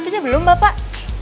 tidak muter tempat